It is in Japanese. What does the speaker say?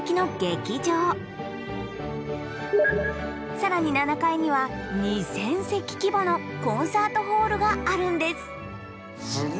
更に７階には２０００席規模のコンサートホールがあるんです。